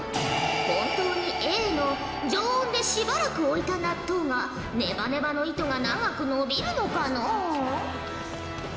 本当にＡの常温でしばらく置いた納豆がネバネバの糸が長く伸びるのかのう？